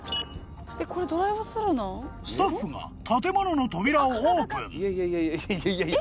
［スタッフが建物の扉をオープン］